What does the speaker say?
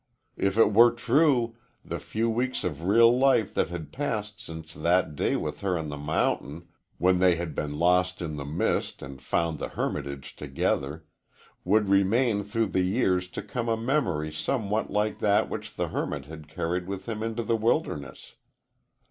If it were true, the few weeks of real life that had passed since that day with her on the mountain, when they had been lost in the mist and found the hermitage together, would remain through the year to come a memory somewhat like that which the hermit had carried with him into the wilderness.